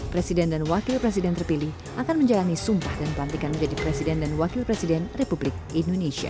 presiden dan wakil presiden terpilih akan menjalani sumpah dan pelantikan menjadi presiden dan wakil presiden republik indonesia